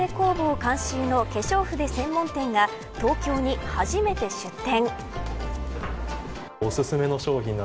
監修の化粧筆専門店が東京に初めて出展。